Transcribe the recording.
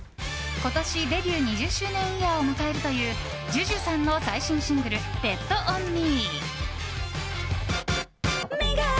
今年デビュー２０周年イヤーを迎えるというＪＵＪＵさんの最新シングル「ＢｅｔＯｎＭｅ」。